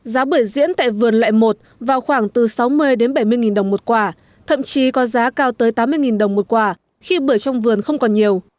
giá bưởi diễn tại vườn loại một vào khoảng từ sáu mươi đến bảy mươi đồng một quả thậm chí có giá cao tới tám mươi đồng một quả khi bưởi trong vườn không còn nhiều